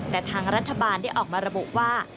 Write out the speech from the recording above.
แต่ทางรัฐบาลได้ออกมาระบุว่า